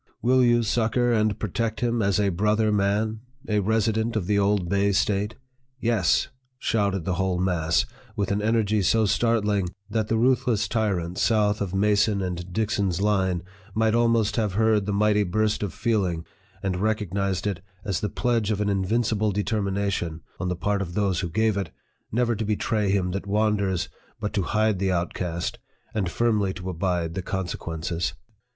" Will you succor and protect him as a brother man a resi dent of the old Bay State ?"" YES !" shouted the whole mass, with an energy so startling, that the ruth less tyrants south of Mason and Dixon's line might almost have heard the mighty burst of feeling, and recognized it as the pledge of an invincible determina tion, on the part of those who gave it, never to betray him that wanders, but to hide the outcast, and firmly to abide the consequences.